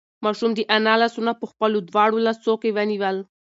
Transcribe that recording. ماشوم د انا لاسونه په خپلو دواړو لاسو کې ونیول.